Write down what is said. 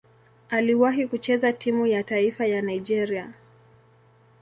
Aliwahi kucheza timu ya taifa ya Nigeria.